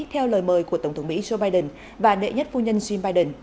theo lời mời của tổng thống mỹ joe biden và đệ nhất phu nhân joe biden